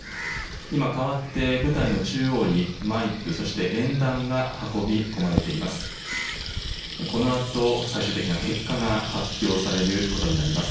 今、かわって舞台の中央にマイク、そして演壇が運び込まれています。